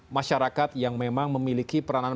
masyarakat yang memang memiliki peranan